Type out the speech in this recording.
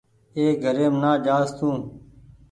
اي گھريم نا جآس تو